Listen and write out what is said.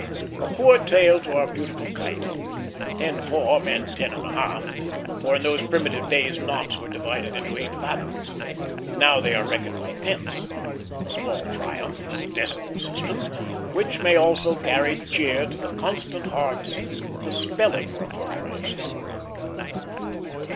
A poor tail to our beautiful kite. Ten four meant ten and a half; for in those primitive days knots were divided into eight fathoms. Now they are reckoned by tenths; a small triumph of the decimal system, which may also carry cheer to the constant hearts of the spelling reformers.